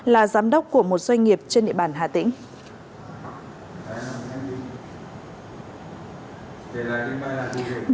là giám đốc của một doanh nghiệp trên địa bàn hà tĩnh